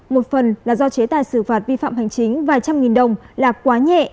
một phần là do chế tài xử phạt vi phạm hành chính vài trăm nghìn đồng là quá nhẹ